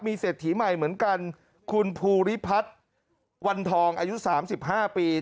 เศรษฐีใหม่เหมือนกันคุณภูริพัฒน์วันทองอายุ๓๕ปี